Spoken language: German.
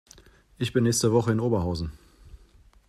Ich bin nächste Woche in Oberhausen